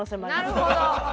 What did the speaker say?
なるほど！